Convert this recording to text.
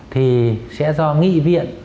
thì sẽ do nghị viện